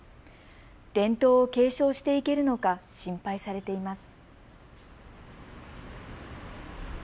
伝統を継承していけるのか心配されています。